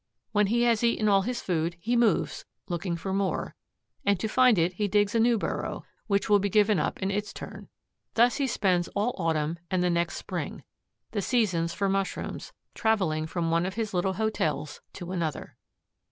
When he has eaten all his food, he moves, looking for more, and to find it he digs a new burrow, which will be given up in its turn. Thus he spends all autumn and the next spring, the seasons for mushrooms, traveling from one of his little hotels to another.